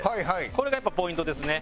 これがやっぱポイントですね。